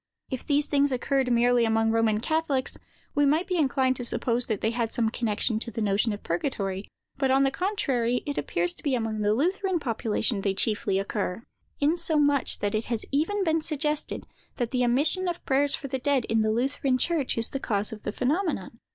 If these things occurred merely among the Roman catholics, we might be inclined to suppose that they had some connection with their notion of purgatory: but, on the contrary, it appears to be among the Lutheran population they chiefly occur—insomuch that it has even been suggested that the omission of prayers for the dead, in the Lutheran church, is the cause of the phenomenon.